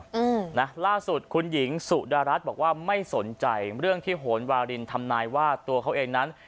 อืมนะล่าสุดคุณหญิงสุดารัฐบอกว่าไม่สนใจเรื่องที่โหนวารินทำนายว่าตัวเขาเองนั้น